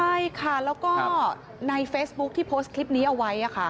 ใช่ค่ะแล้วก็ในเฟซบุ๊คที่โพสต์คลิปนี้เอาไว้